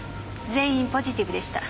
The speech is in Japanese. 全員ポジティブでした。